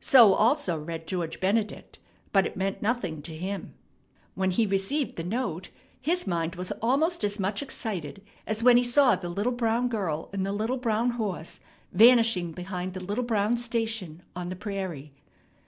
So also read George Benedict, but it meant nothing to him. When he received the note, his mind was almost as much excited as when he saw the little brown girl and the little brown horse vanishing behind the little brown station on the prairie.